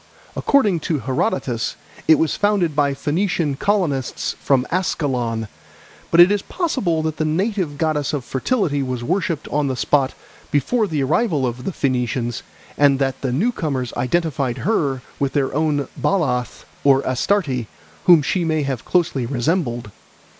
According to Herodotus, it was founded by Phoenician colonists from Ascalon; but it is possible that a native goddess of fertility was worshipped on the spot before the arrival of the Phoenicians, and that the newcomers identified her with their own Baalath or Astarte, whom she may have closely resembled.